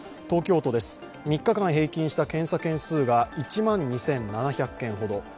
東京都です、３日間平均した検査件数が１万２７００件ほど。